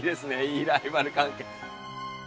いいライバル関係。